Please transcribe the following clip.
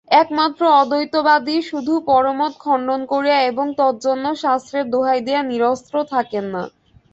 একমাত্র অদ্বৈতবাদীই শুধু পরমত খণ্ডন করিয়া এবং তজ্জন্য শাস্ত্রের দোহাই দিয়া নিরস্ত থাকেন না।